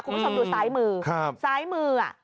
คุณผู้ชมดูซ้ายมือ